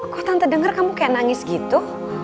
kok tante denger kamu kayak nangis gitu